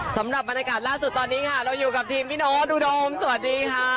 สำหรับบรรยากาศล่าสุดตอนนี้ค่ะเราอยู่กับทีมพี่โน๊ตอุดมสวัสดีค่ะ